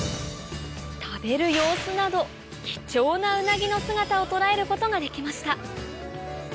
食べる様子など貴重なウナギの姿を捉えることができました